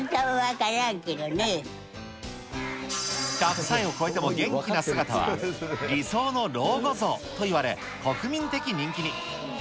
１００歳を超えても元気な姿は、理想の老後像といわれ、国民的人気に。